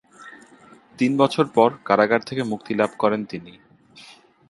তিন বছর পর কারাগার থেকে মুক্তিলাভ করেন তিনি।